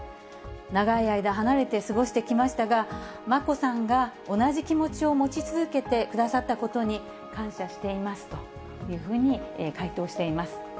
長い間、離れて過ごしてきましたが、眞子さんが同じ気持ちを持ち続けてくださったことに感謝していますというふうに回答しています。